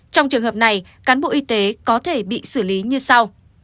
trong trường hợp này cán bộ y tế có thể bị xử lý như sau